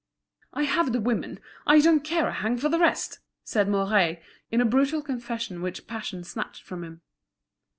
"I have the women, I don't care a hang for the rest!" said Mouret, in a brutal confession which passion snatched from him.